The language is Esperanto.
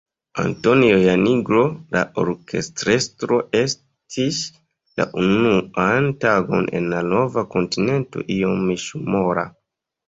Antonio Janigro, la orkestrestro, estis la unuan tagon en la nova kontinento iom mishumora.